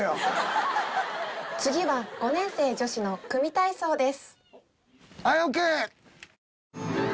次は５年生女子の組み体操です。